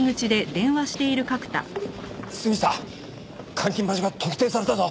杉下監禁場所が特定されたぞ。